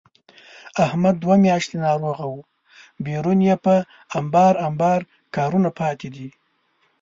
احمد دوه میاشتې ناروغه و، بېرون یې په امبار امبار کارونه پاتې دي.